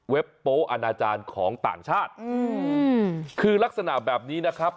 โป๊อนาจารย์ของต่างชาติอืมคือลักษณะแบบนี้นะครับ